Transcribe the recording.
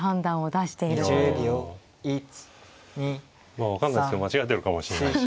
まあ分かんないですよ間違えてるかもしれないし。